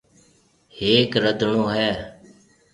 ھيَََڪ رڌڻو ھيَََ